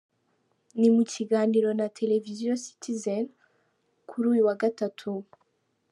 Ni mu kiganiro na televiziyo Citizen kuri uyu wa Gatatu.